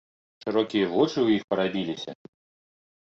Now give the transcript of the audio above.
Шырокія вочы ў іх парабіліся.